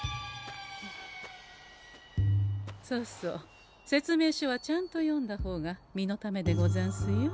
そうそう説明書はちゃんと読んだ方が身のためでござんすよ。